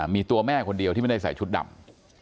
มีตัวแม่คนเดียวที่ไม่ได้ใส่ชุดดำ